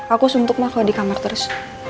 aku suntuk mah kalau di kamar terus